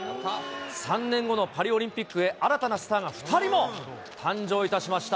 ３年後のパリオリンピックへ、新たなスターが２人も誕生いたしました。